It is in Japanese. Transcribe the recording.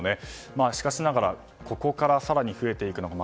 しかしながらここから更に増えていくのか。